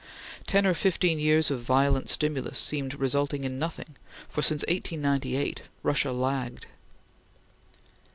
Ten or fifteen years of violent stimulus seemed resulting in nothing, for, since 1898, Russia lagged.